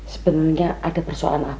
sebenarnya ada persoalan apa